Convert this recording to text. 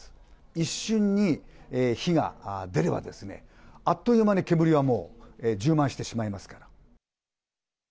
一瞬に火が出れば、あっという間に煙がもう充満してしまいますから。